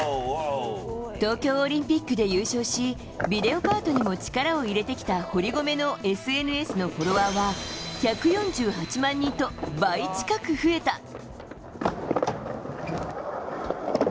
東京オリンピックで優勝しビデオパートにも力を入れてきた堀米のＳＮＳのフォロワーは１４８万人と倍近く増えた。